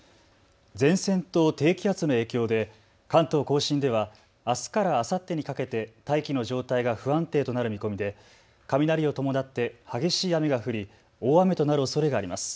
前線と低気圧の影響で関東甲信ではあすからあさってにかけて大気の状態が不安定となる見込みで雷を伴って激しい雨が降り大雨となるおそれがあります。